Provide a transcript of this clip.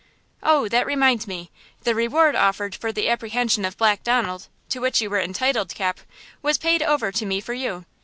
"Oh, that reminds me! The reward offered for the apprehension of Black Donald, to which you were entitled, Cap, was paid over to me for you.